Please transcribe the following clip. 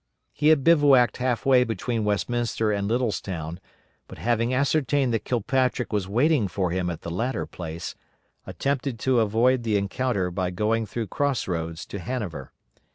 He had bivouacked half way between Westminster and Littlestown, but having ascertained that Kilpatrick was waiting for him at the latter place, attempted to avoid the encounter by going through cross roads to Hanover.